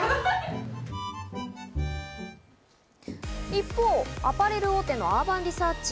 一方、アパレル大手のアーバンリサーチ。